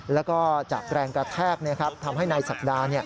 แล้วก็จากแรงกระแทกทำให้นายศักดา